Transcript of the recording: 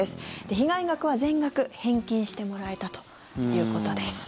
被害額は全額返金してもらえたということです。